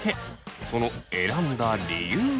その選んだ理由は。